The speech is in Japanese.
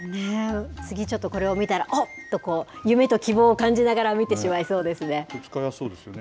次、ちょっとこれを見たら、おっと、こう、夢と希望を感じな使いやすそうですよね。